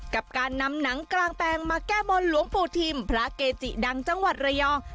กับการนำหนังกลางแปลงมาแก้บนหลวงปู่ทิมพระเกจิดังจังหวัดระยอง